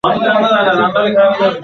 এসব আমার দ্বারা আর হবে না, বুঝেছো?